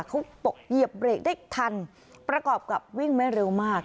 เขาบอกเหยียบเบรกได้ทันประกอบกับวิ่งไม่เร็วมาก